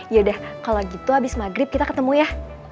yaudah kalo gitu abis maghrib kita ketemu ya